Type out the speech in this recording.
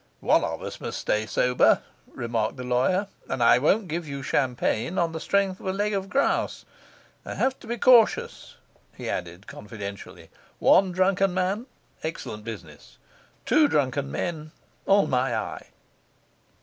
'One of us must stay sober,' remarked the lawyer, 'and I won't give you champagne on the strength of a leg of grouse. I have to be cautious,' he added confidentially. 'One drunken man, excellent business two drunken men, all my eye.